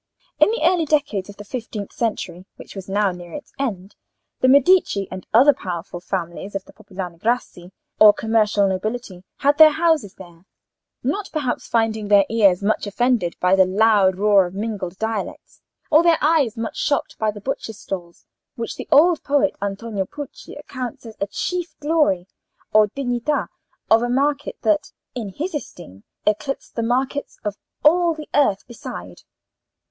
In the early decades of the fifteenth century, which was now near its end, the Medici and other powerful families of the popolani grassi, or commercial nobility, had their houses there, not perhaps finding their ears much offended by the loud roar of mingled dialects, or their eyes much shocked by the butchers' stalls, which the old poet Antonio Pucci accounts a chief glory, or dignita, of a market that, in his esteem, eclipsed the markets of all the earth beside.